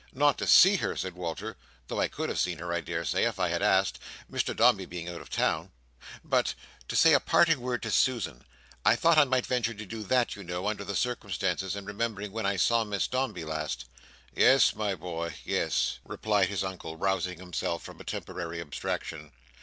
"Not to see her," said Walter, "though I could have seen her, I daresay, if I had asked, Mr Dombey being out of town: but to say a parting word to Susan. I thought I might venture to do that, you know, under the circumstances, and remembering when I saw Miss Dombey last." "Yes, my boy, yes," replied his Uncle, rousing himself from a temporary abstraction.